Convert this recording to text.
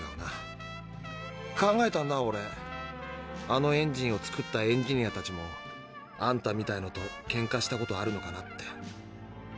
あのエンジンを造ったエンジニアたちもあんたみたいのとケンカしたことあるのかなって。